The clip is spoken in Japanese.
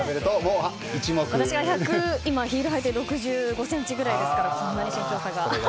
私はヒールを履いて１６５ｃｍくらいですからこんなに身長差が。